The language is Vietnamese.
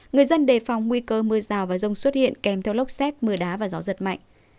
người dân đề phòng nguy cơ mưa rào và rông xuất hiện kèm theo lốc xét mưa đá và gió giật mạnh